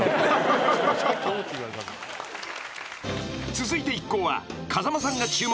［続いて一行は］